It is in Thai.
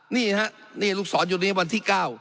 นี่นะครับลูกศรอยู่ตรงนี้วันที่๙